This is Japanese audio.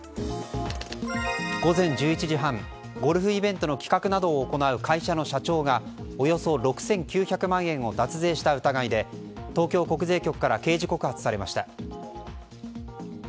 午前１１時半ゴルフイベントの企画などを行う会社の社長がおよそ６９００万円を脱税した疑いで、東京国税局から刑事告発されました。